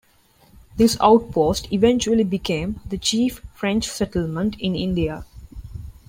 This outpost eventually became the chief French settlement in India.